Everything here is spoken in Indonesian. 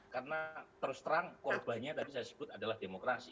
karena terus terang korbannya tadi saya sebut adalah demokrasi